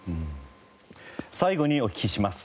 最後にお聞きします。